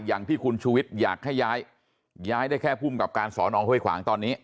อย่างที่คุณชูวิทย์อยากให้ย้ายย้ายได้แค่ภูมิกับการสอนองห้วยขวางตอนนี้